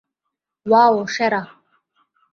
Wow, সেরা!